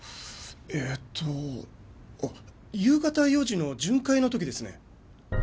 えーっとあっ夕方４時の巡回の時ですね。